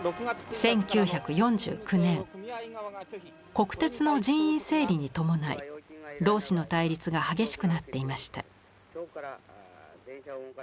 国鉄の人員整理に伴い労使の対立が激しくなっていました。